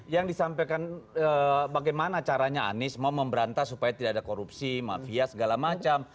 yang disampaikan bagaimana caranya anies mau memberantas supaya tidak ada korupsi mafia segala macam